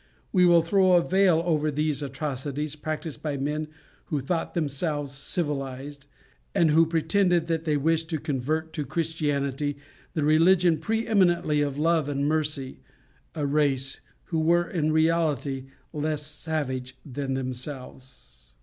We will throw a veil over these atrocities practised by men who thought themselves civilized, and who pretended that they wished to convert to Christianity, the religion pre eminently of love and mercy, a race who were in reality less savage than themselves.